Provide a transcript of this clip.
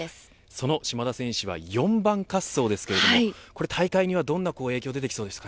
その島田選手は４番滑走ですけどこれ、大会にはどんな影響が出てきますか。